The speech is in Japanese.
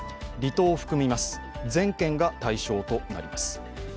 離島を含みます全県が対象となります。